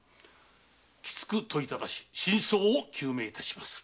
きつく問いただし真相を究明いたします。